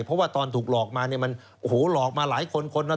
เพราะว่าตอนถูกหลอกมาเนี่ยมันโอ้โหหลอกมาหลายคนคนนะ